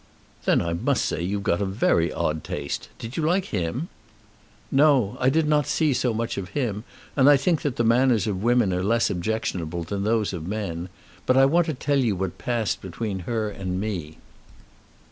"Then I must say you've got a very odd taste. Did you like him?" "No. I did not see so much of him, and I think that the manners of women are less objectionable than those of men. But I want to tell you what passed between her and me."